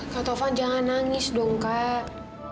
kang taufan jangan nangis dong kak